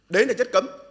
đấy là chất cấm